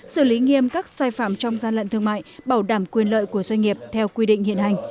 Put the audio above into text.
xử lý nghiêm các sai phạm trong gian lận thương mại bảo đảm quyền lợi của doanh nghiệp theo quy định hiện hành